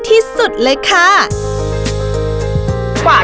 พี่ดาขายดอกบัวมาตั้งแต่อายุ๑๐กว่าขวบ